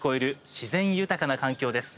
自然豊かな環境です。